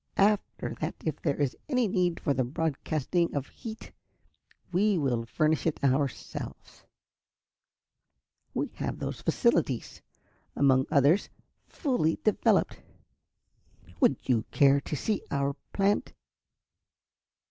After that, if there is any need for the broadcasting of heat, we will furnish it ourselves. We have those facilities, among others, fully developed. Would you care to see our plant?"